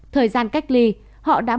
thời gian cách ly họ đã